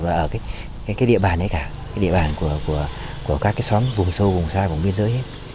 và ở cái địa bàn đấy cả địa bàn của các xóm vùng sâu vùng xa vùng biên giới hết